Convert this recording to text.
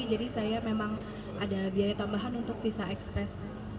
jadi saya memang ada biaya tambahan untuk bisa ekspres